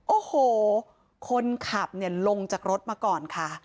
โอ้โหคนขับเนี่ยลงจากรถมาก่อนค่ะ